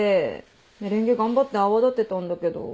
メレンゲ頑張って泡立てたんだけど。